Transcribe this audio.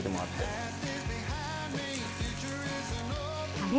あれ？